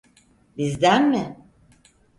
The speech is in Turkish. Bizden mi?